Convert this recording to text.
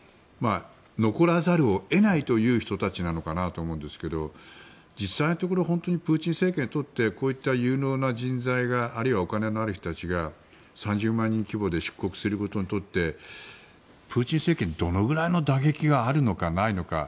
残らざるを得ないという人たちなのかなと思うんですが実際のところプーチン政権にとってこういった有能な人材があるいは、お金のある人たちが３０万人規模で出国することにとってプーチン政権にどのぐらいの打撃があるのかないのか。